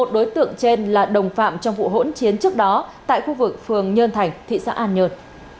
một đối tượng trên là đồng phạm trong vụ hỗn chiến trước đó tại khu vực phường nhơn thành thị xã an nhơn